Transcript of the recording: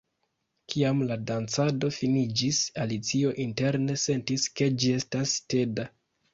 Kiam la dancado finiĝis, Alicio interne sentis ke ĝi estas teda.